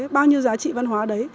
bao nhiêu giá trị văn hóa đấy